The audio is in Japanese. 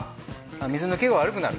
水抜けが悪くなる。